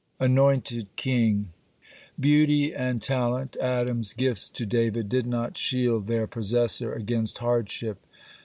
ANOINTED KING Beauty and talent, Adam's gifts to David, did not shield their possessor against hardship.